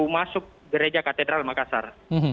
masuk gereja katedral makassar